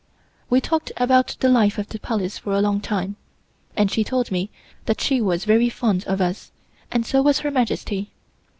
We talked about the life at the Palace for a long time, and she told me that she was very fond of us, and so was Her Majesty.